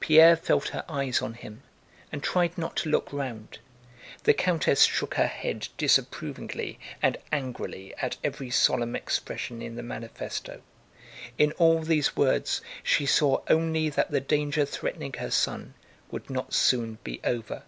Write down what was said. Pierre felt her eyes on him and tried not to look round. The countess shook her head disapprovingly and angrily at every solemn expression in the manifesto. In all these words she saw only that the danger threatening her son would not soon be over.